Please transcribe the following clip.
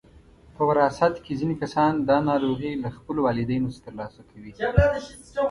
په وراثت کې ځینې کسان دا ناروغي له خپلو والدینو څخه ترلاسه کوي.